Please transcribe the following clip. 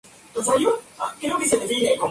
Pertenece a la etnia bubi.